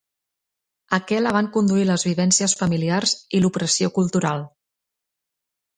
A què la van conduir les vivències familiars i l'opressió cultural?